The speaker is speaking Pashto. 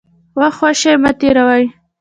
وخت خوشي مه تېروئ.